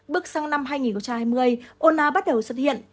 bước sang năm hai nghìn hai mươi hồn áo bắt đầu xuất hiện